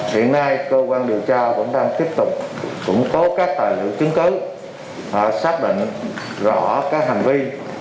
hiện nay công an điều tra vẫn đang tiếp tục cũng có các tài liệu chứng cứ xác định rõ các hành vi